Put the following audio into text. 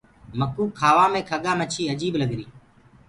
مڪوُ کآوآ مي کڳآ مڇي اجيب لگري۔